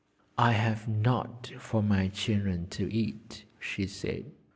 'I have nought for my children to eat,' she said.